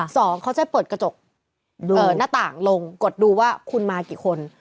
สองเขาจะเปิดกระจกหน้าต่างลงกดดูว่าคุณมากี่คน